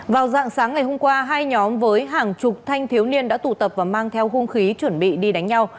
vào dạng sáng ngày hôm qua hai nhóm với hàng chục thanh thiếu niên đã tụ tập và mang theo hung khí chuẩn bị đi đánh nhau